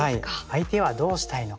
相手はどうしたいのか。